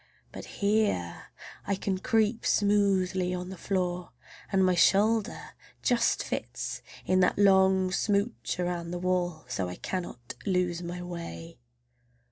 But here I can creep smoothly on the floor, and my shoulder just fits in that long smooch around the wall, so I cannot lose my way.